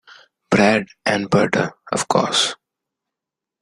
Bread-and-butter, of course.